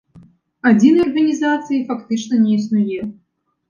Адзінай арганізацыі фактычна не існуе.